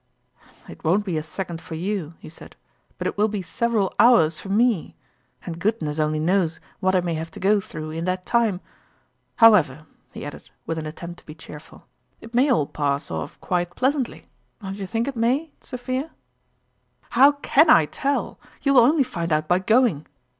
" It won't be a second for you," he said, " but it will be several hours for me ; and goodness only knows what I may have to go through in the time ! However," he added, with an attempt to be cheerful, " it may all pass off quite pleasantly don't you think it may, Sophia ?"" How can I tell ? You will only find out by going."